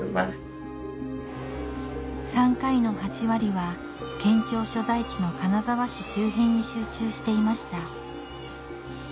は県庁所在地の金沢市周辺に集中していました